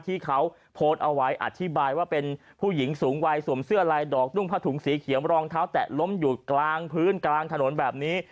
ที่เขาโพสต์เอาไว้อธิบายว่าเป็นผู้หญิงสูงวัยสวมเสื้อลายดอกนุ่งผ้าถุงสีเขียวรองเท้าแตะล้มอยู่กลางพื้นกลางถนนแบบนี้